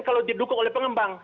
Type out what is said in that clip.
kalau didukung oleh pengembang